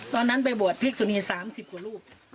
ตอนนั้นไปบวชภิกษณีย์๓๐คนลูก